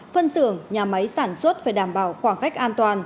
phân xưởng nhà máy sản xuất phải đảm bảo khoảng cách an toàn